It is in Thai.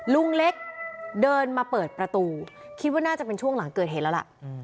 ลุงเล็กเดินมาเปิดประตูคิดว่าน่าจะเป็นช่วงหลังเกิดเหตุแล้วล่ะ